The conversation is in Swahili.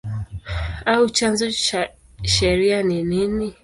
au chanzo cha sheria ni nini?